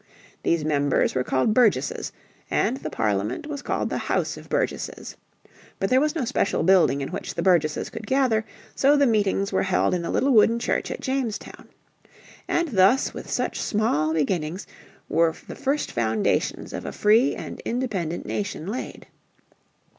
These members were called burgesses, and the parliament was called the House of Burgesses. But there was no special building in which the burgesses could gather, so the meetings were held in the little wooden church at Jamestown. And thus with such small beginnings were the first foundations of a free and independent nation laid.